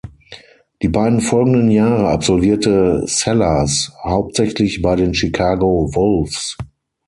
Die beiden folgenden Jahre absolvierte Sellars hauptsächlich bei den Chicago Wolves.